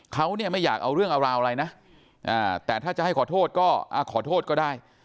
เขาเนี่ยไม่อยากเอาเรื่องเอาราวอะไรนะแต่ถ้าจะให้ขอโทษก็ขอโทษก็ได้